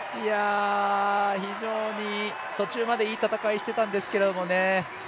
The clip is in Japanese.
非常に途中までいい戦いしてたんですけどもね